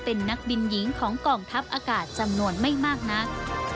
เป็นนักบินหญิงของกองทัพอากาศจำนวนไม่มากนัก